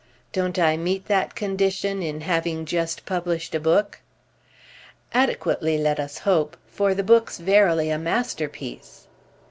"Don't I meet that condition in having just published a book?" "Adequately, let us hope; for the book's verily a masterpiece."